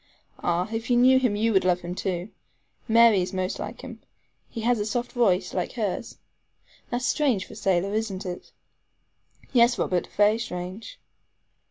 Ah! if you knew him you would love him, too. Mary is most like him. He has a soft voice, like hers. That's strange for a sailor, isn't it?" "Yes, Robert, very strange."